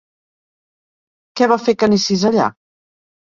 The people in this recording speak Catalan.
Què va fer que anessis allà?